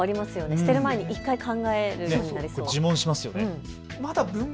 捨てる前に１回考えるようになりそう。